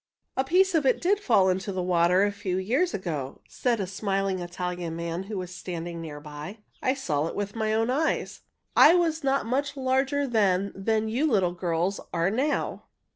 "A piece of it did fall into the water a few years ago," said a smiling Italian man who was standing near by. "I saw it with my own eyes. I was not much larger then than you little girls are now."